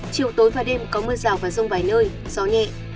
chiều tối và đêm có mưa rào và rông vài nơi gió nhẹ